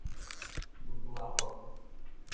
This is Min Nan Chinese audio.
拄拄仔好